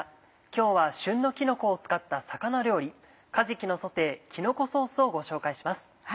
今日は旬のきのこを使った魚料理「かじきのソテーきのこソース」をご紹介します。